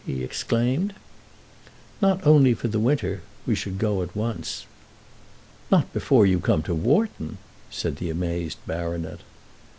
he exclaimed. "Not only for the winter. We should go at once." "Not before you come to Wharton!" said the amazed baronet. Mr.